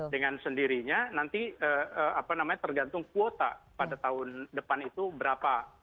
dengan sendirinya nanti tergantung kuota pada tahun depan itu berapa